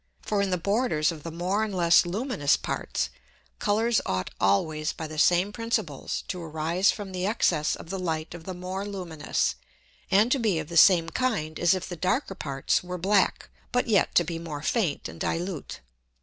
For in the borders of the more and less luminous Parts, Colours ought always by the same Principles to arise from the Excess of the Light of the more luminous, and to be of the same kind as if the darker parts were black, but yet to be more faint and dilute.